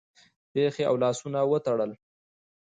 پښې او لاسونه وتړل